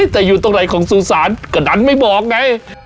แต่อยู่ตรงไหนของสุสานก็ดันไม่บอกไง